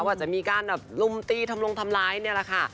ว่าจะมีการแบบลุมตีทำลงทำร้ายนี่แหละค่ะ